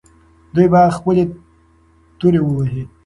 دوی باید خپلې تورو ووهي.